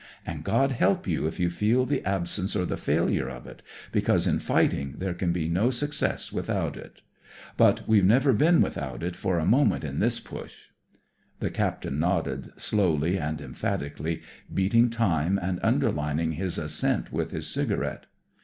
And God help you if you feel the absence or the failure of it, because in fighting there can be no success without it. But ^eVe never been without it for a moment in this Push." (The captain nodded, slowly and empha tically, beating time, and underlining his assent with his cigarette.)